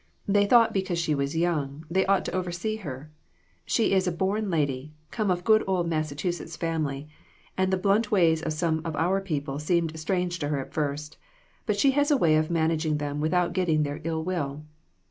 They thought because she was young, they ought to oversee her. She is a born lady, come of good old Massachusetts family, and the blunt ways of some of our people seemed strange to her at first, but she has a way of man aging them without getting their ill will.